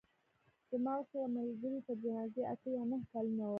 زما ورسره ملګرۍ تر جنازې اته یا نهه کلونه وه.